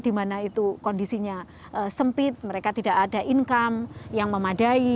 di mana itu kondisinya sempit mereka tidak ada income yang memadai